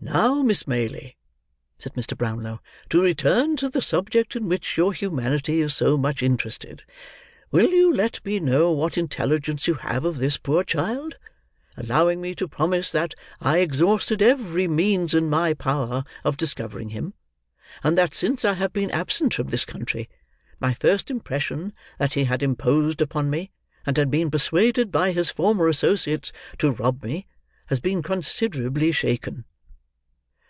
"Now, Miss Maylie," said Mr. Brownlow, "to return to the subject in which your humanity is so much interested. Will you let me know what intelligence you have of this poor child: allowing me to promise that I exhausted every means in my power of discovering him, and that since I have been absent from this country, my first impression that he had imposed upon me, and had been persuaded by his former associates to rob me, has been considerably shaken."